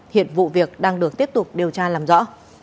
hiện vụ việc đang được tiếp tục điều tra làm rõ